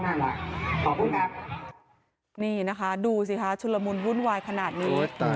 ขอบคุณครับนี่นะคะดูสิค่ะชุระมุนวุ่นวายขนาดนี้